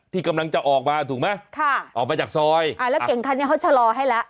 ที่กำลังจะออกมาถูกไหมค่ะออกมาจากซอยอ่าแล้วเก่งคันนี้เขาชะลอให้แล้ว